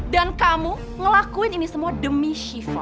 dan kamu ngelakuin ini semua demi syifa